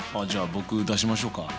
じゃあ僕出しましょうか？